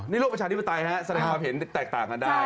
นี่โลกประชาธิปไตยแสดงความเห็นแตกต่างกันได้